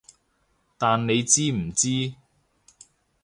但你知唔知